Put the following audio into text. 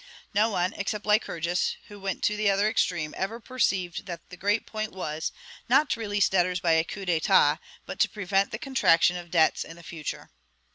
No one, except Lycurgus, who went to the other extreme, ever perceived that the great point was, not to release debtors by a coup d'etat, but to prevent the contraction of debts in future.